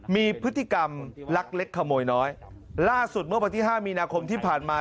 มีพฤติกรรมลักเล็กขโมยน้อยล่าสุดเมื่อวันที่ห้ามีนาคมที่ผ่านมา